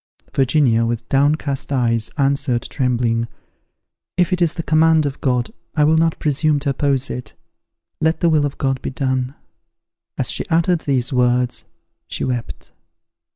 Virginia, with downcast eyes, answered, trembling, "If it is the command of God, I will not presume to oppose it. Let the will of God be done!" As she uttered these words, she wept.